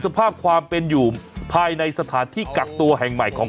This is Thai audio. สภาพความเป็นอยู่ภายในสถานที่กักตัวแห่งใหม่ของ